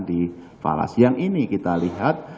di falas siang ini kita lihat